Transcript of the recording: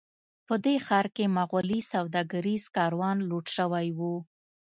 په دې ښار کې مغولي سوداګریز کاروان لوټ شوی و.